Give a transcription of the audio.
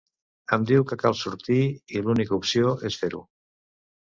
Em diu que cal sortir i l'única opció és fer-ho.